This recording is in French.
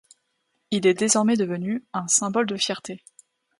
Il est désormais devenu un symbole de fierté.